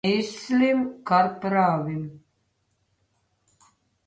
Mislim, kar pravim.